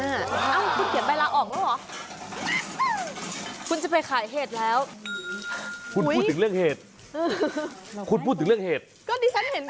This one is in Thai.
เอ้าคุณเขียนใบละออกแล้วเหรอคุณจะไปขายเห็ดแล้วคุณพูดถึงเรื่องเห็ด